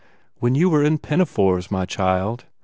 "When you were in pinafores, my child!